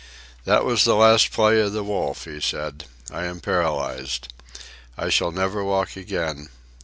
"That was the last play of the Wolf," he said. "I am paralysed. I shall never walk again.